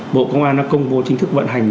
bộ công an đã công bố chính thức vận hành